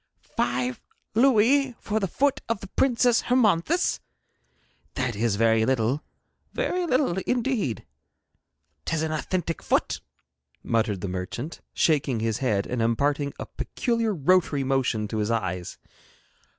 'Five louis for the foot of the Princess Hermonthis! That is very little, very little indeed. 'Tis an authentic foot,' muttered the merchant, shaking his head, and imparting a peculiar rotary motion to his eyes.